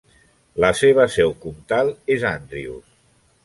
La seva seu comtal és Andrews.